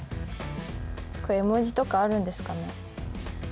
これ絵文字とかあるんですかね？